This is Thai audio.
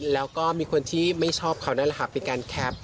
แล้วก็มีคนที่ไม่ชอบเขานั่นแหละค่ะเป็นการแคป